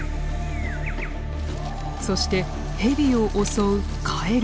そしてヘビを襲うカエル。